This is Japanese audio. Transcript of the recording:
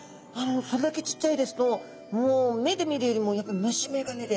それだけちっちゃいですともう目で見るよりもやっぱ虫眼鏡で？